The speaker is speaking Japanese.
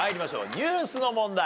ニュースの問題。